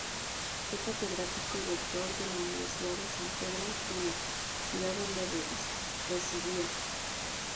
Fue catedrático y Rector de la Universidad de San Pedro Sula, ciudad donde residía.